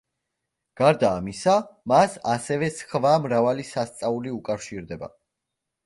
გარდა ამისა, მას ასევე სხვა მრავალი სასწაული უკავშირდება.